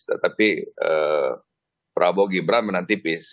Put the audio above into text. tetapi prabowo gibran menang tipis